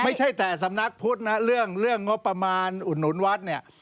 ไม่ใช่แต่สำนักพุทธนะฮะเรื่องงบประมาณอุ่นวัฒน์เนี่ย